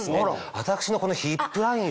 私のこのヒップラインを。